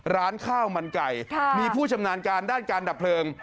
ร้านข้าวมันไก่มีผู้ชำนาญการด้านการดับเพลิง